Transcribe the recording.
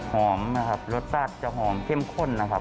หอมนะครับรสชาติจะหอมเข้มข้นนะครับ